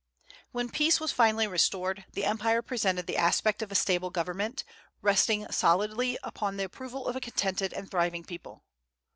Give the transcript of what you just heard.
"When peace was finally restored, the empire presented the aspect of a stable government, resting solidly upon the approval of a contented and thriving people."